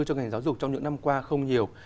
cho ngành giáo dục trong những năm qua không nhiều